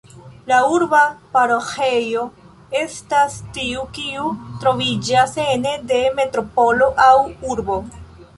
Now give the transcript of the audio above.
La urba paroĥejo estas tiu kiu troviĝas ene de metropolo aŭ urbo.